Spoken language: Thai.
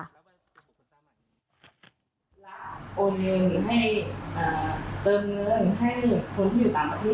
ก็จะมียอดเบอร์โทรศัพท์ของลูกค้ามียอดก็ต้องโอนไปทางนี้